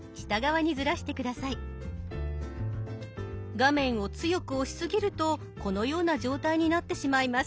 画面を強く押しすぎるとこのような状態になってしまいます。